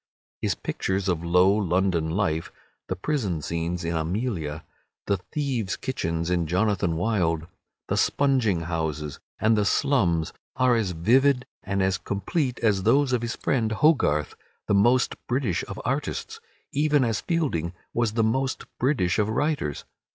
His pictures of low London life, the prison scenes in "Amelia," the thieves' kitchens in "Jonathan Wild," the sponging houses and the slums, are as vivid and as complete as those of his friend Hogarth—the most British of artists, even as Fielding was the most British of writers.